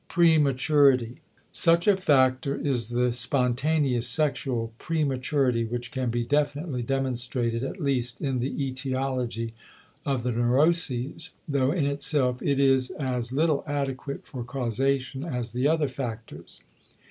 *Prematurity.* Such a factor is the spontaneous sexual prematurity which can be definitely demonstrated at least in the etiology of the neuroses, though in itself it is as little adequate for causation as the other factors.